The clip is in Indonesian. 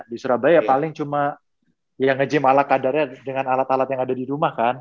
di surabaya paling cuma ya nge gym alat alat yang ada di rumah kan